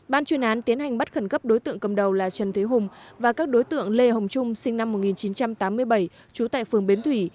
ban chuyên án tiến hành bắt khẩn cấp đối tượng cầm đầu là trần thế hùng và các đối tượng lê hồng trung sinh năm một nghìn chín trăm tám mươi bảy trú tại phường bến thủy